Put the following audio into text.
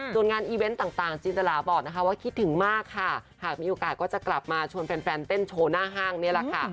ส่วนงานอีเวนต์ต่างจินตราบอกนะคะว่าคิดถึงมากค่ะหากมีโอกาสก็จะกลับมาชวนแฟนเต้นโชว์หน้าห้างนี่แหละค่ะ